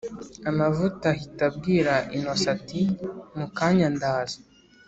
amavuta ahita abwira innocent ati” mukanya ndaza